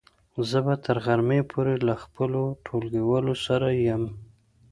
زه به تر غرمې پورې له خپلو ټولګیوالو سره يم.